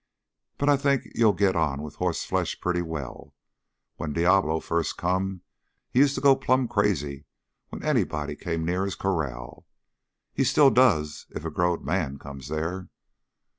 "But I think you'll get on with hossflesh pretty well. When Diablo first come, he used to go plumb crazy when anybody come near his corral. He still does if a growed man comes there.